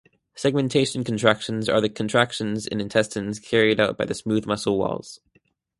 Segmentation contractions are the contractions in intestines carried out by the smooth muscle walls.